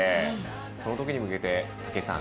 そのときに向けて、武井さん